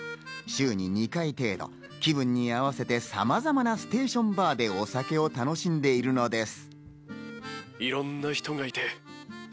週に２回程度、気分に合わせてさまざまなステーション・バーでお酒を楽しんでいるのです。